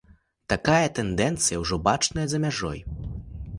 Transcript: Такая тэндэнцыя ўжо бачная за мяжой.